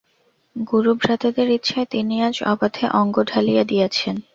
গুরুভ্রাতাদের ইচ্ছায় তিনি আজ অবাধে অঙ্গ ঢালিয়া দিয়াছেন।